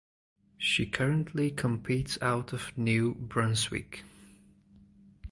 She currently competes out of New Brunswick.